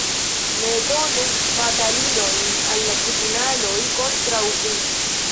Ne donu batalilojn al la tribunaloj kontraŭ vi.